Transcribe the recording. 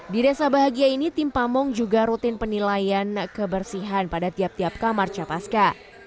di desa bahagia ini tim pamong juga rutin penilaian kebersihan pada tiap tiap kamar capaska